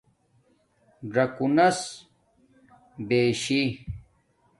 ژَکُݸنس بیشی